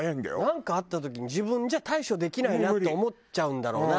なんかあった時に自分じゃ対処できないなって思っちゃうんだろうな。